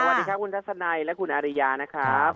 สวัสดีครับคุณทัศนัยและคุณอาริยานะครับ